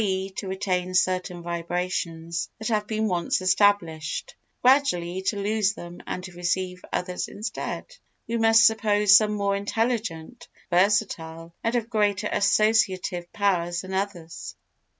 e. to retain certain vibrations that have been once established—gradually to lose them and to receive others instead. We must suppose some more intelligent, versatile and of greater associative power than others.